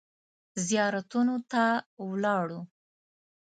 زیارتونو ته ولاړو.